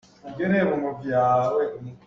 Mirang holh cu vawleicung dih lak holh a si cang.